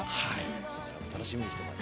そちらも楽しみにしてます。